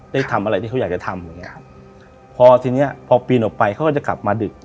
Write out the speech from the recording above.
ได้ทำอะไรที่เขาอยากจะทำอย่างเงี้ครับพอทีเนี้ยพอปีนออกไปเขาก็จะกลับมาดึก